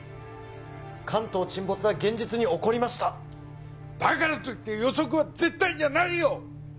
関東沈没は現実に起こりましただからといって予測は絶対じゃないよ！